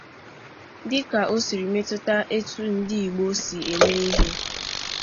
dịka o siri metụta etu ndị Igbo si eme ihe